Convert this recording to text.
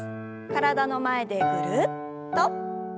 体の前でぐるっと。